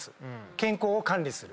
健康を管理する。